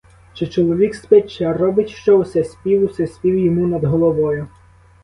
Чи чоловік спить, чи робить що, усе спів, усе спів йому над головою.